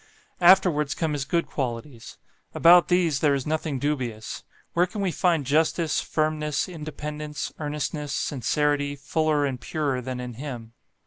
Afterwards come his good qualities. About these there is nothing dubious. Where can we find justice, firmness, independence, earnestness, sincerity, fuller and purer than in him?